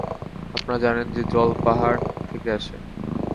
আপনারা জানেন যে, জল পাহাড় থেকে আসে।